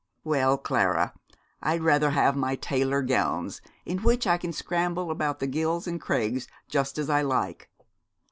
'Well, Clara, I'd rather have my tailor gowns, in which I can scramble about the ghylls and crags just as I like.'